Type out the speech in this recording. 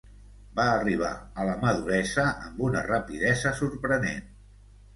Va arribar a la maduresa amb una rapidesa sorprenent.